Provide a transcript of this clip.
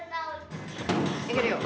いけるよ。